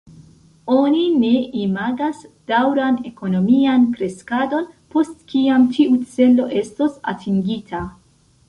Oni ne imagas daŭran ekonomian kreskadon, post kiam tiu celo estos atingita.